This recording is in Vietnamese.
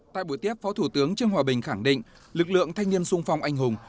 tại buổi tiếp phó thủ tướng trương hòa bình khẳng định lực lượng thanh niên sung phong anh hùng